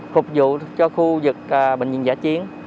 phục vụ cho khu dịch bệnh viện giả chiến